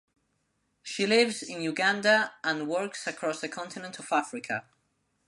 She lives in Uganda and works across the continent of Africa.